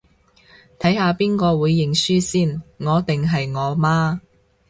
睇下邊個會認輸先，我定係我媽